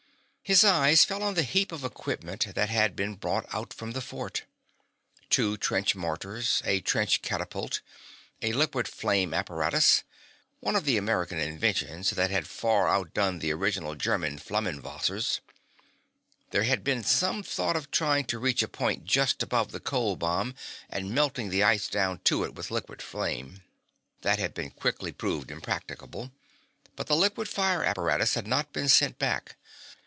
His eye fell on the heap of equipment that had been brought out from the fort. Two trench mortars, a trench catapult, a liquid flame apparatus one of the American inventions that had far outdone the original German flamenwerfers! There had been some thought of trying to reach a point just above the cold bomb and melting the ice down to it with liquid flame. That had been quickly proven impracticable, but the liquid fire apparatus had not been sent back.